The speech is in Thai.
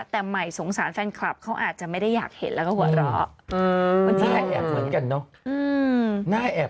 แต่ใหม่สงสารแฟนคลับเขาอาจจะไม่ได้อยากเห็นแล้วก็หัวเราะเหมือนกันเนอะ